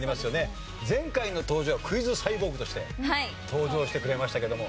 前回の登場はクイズサイボーグとして登場してくれましたけども。